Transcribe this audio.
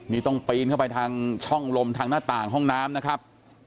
นี่ต้องปีนเข้าไปทางช่องลมทางหน้าต่างห้องน้ำนะครับ